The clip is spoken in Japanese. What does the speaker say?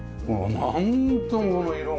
なんともこの色が。